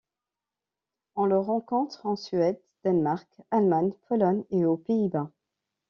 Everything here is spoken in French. On le rencontre en Suède, Danemark, Allemagne, Pologne et aux Pays-Bas.